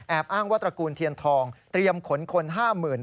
แอบอ้างว่าตระกูลเทียนทองเตรียมขนคน๕หมื่น